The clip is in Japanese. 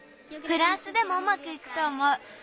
フランスでもうまくいくとおもう。